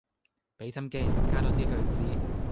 俾心機加多啲句子